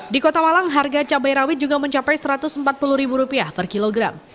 di kota walang harga cabai rawit juga mencapai satu ratus empat puluh ribu rupiah per kilogram